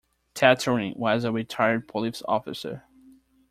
Tataryn was a retired police officer.